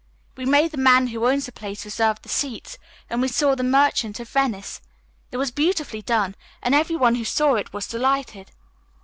We made the man who owns the place reserve the seats, and we saw 'The Merchant of Venice.' It was beautifully done, and every one who saw it was delighted.